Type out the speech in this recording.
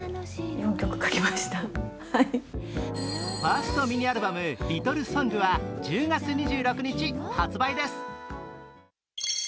石田さんはファーストミニアルバム「リトルソング」は１０月２６日発売です。